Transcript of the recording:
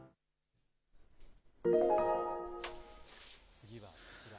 次はこちら。